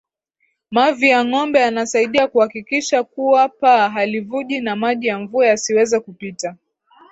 Mavi ya ngombe yanasaidia kuhakikisha kuwa paa halivuji na maji ya mvua yasiweze kupita